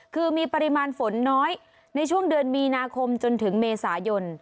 คือมีปริมาณฝนน้อยในช่วงเดือนมีนาคมจนถึงเมษายน